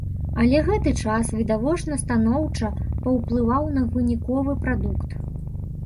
Але гэты час відавочна станоўча паўплываў на выніковы прадукт.